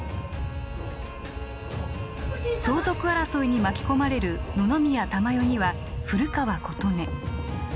相続争いに巻き込まれる野々宮珠世には古川琴音。